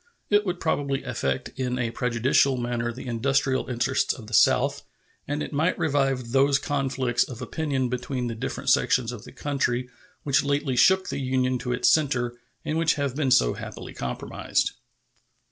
It would probably affect in a prejudicial manner the industrial interests of the South, and it might revive those conflicts of opinion between the different sections of the country which lately shook the Union to its center, and which have been so happily compromised.